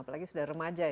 apalagi sudah remaja ya